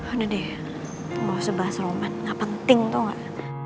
udah deh mau sebahas roman gak penting tau gak